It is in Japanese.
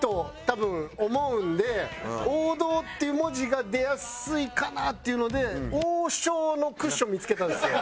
「王道」っていう文字が出やすいかなっていうので「王将のクッション」見付けたんですよ。